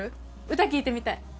歌聴いてみたい。